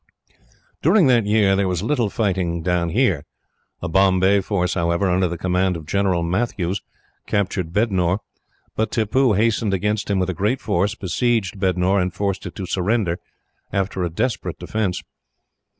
"During that year there was little fighting down here. A Bombay force, however, under the command of General Matthews, captured Bednore; but Tippoo hastened against him with a great force, besieged Bednore, and forced it to surrender, after a desperate defence.